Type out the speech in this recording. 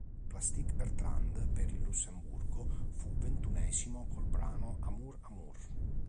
Plastic Bertrand, per il Lussemburgo, fu ventunesimo col brano "Amour-amour".